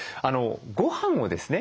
ごはんをですね